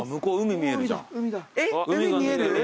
えっ海見える？